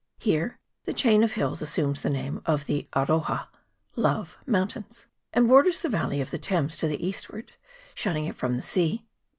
Here the chain of hills assumes the name of the Aroha (Love) mountains, and borders the valley of the Thames to the eastward, shutting it from the sea.